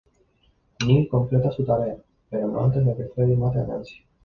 Neil completa su tarea, pero no antes de que Freddy mate a Nancy.